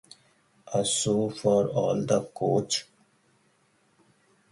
A show for all the couch.